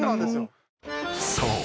［そう。